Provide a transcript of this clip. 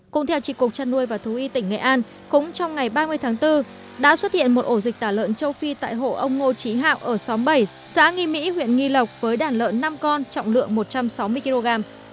cùng theo trị cục chăn nuôi và thú y tỉnh nghệ an cũng trong ngày ba mươi tháng bốn đã xuất hiện một ổ dịch tả lợn châu phi tại hộ ông ngô trí hạo ở xóm bảy xã nghi mỹ huyện nghi lộc với đàn lợn năm con trọng lượng một trăm sáu mươi kg